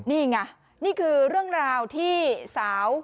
นี่ไงนี่คือเรื่องราวที่สาว